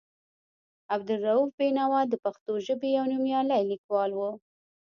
عبدالرؤف بېنوا د پښتو ژبې یو نومیالی لیکوال و.